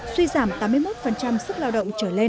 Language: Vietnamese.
suy giảm tám mươi một sức lao động